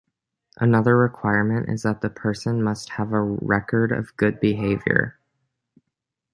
Another requirement is that the person must have a record of good behaviour.